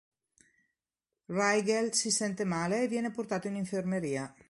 Rygel si sente male e viene portato in infermeria.